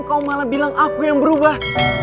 kau malah bilang aku yang berubah